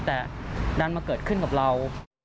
แต่ดันมาเกิดขึ้นกับเรา